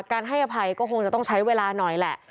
การให้อภัยก็คงจะต้องใช้เวลาหน่อยแหละ